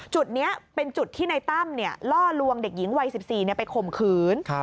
จุดนี้เป็นจุดที่ในตั้มล่อลวงเด็กหญิงวัย๑๔ไปข่มขืน